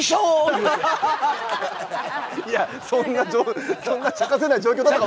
いやそんなそんなちゃかせない状況だったかもしれませんよ。